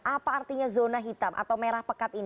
apa artinya zona hitam atau merah pekat ini